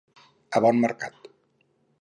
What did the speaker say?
A bon mercat.